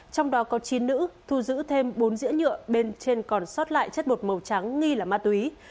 trong đó có chín nữ thu giữ thêm bốn dĩa nhựa bên trên còn sót lại chất bột màu trắng nghi là ma túy